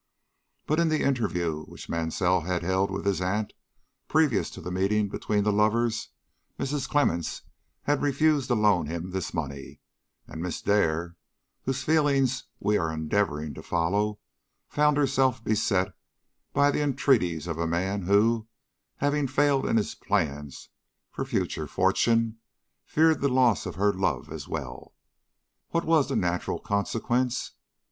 But in the interview which Mansell had held with his aunt previous to the meeting between the lovers, Mrs. Clemmens had refused to loan him this money, and Miss Dare, whose feelings we are endeavoring to follow, found herself beset by the entreaties of a man who, having failed in his plans for future fortune, feared the loss of her love as well. What was the natural consequence?